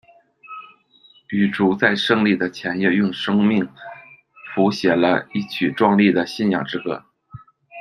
雨竹在胜利的前夜用生命谱写了一曲壮丽的信仰之歌。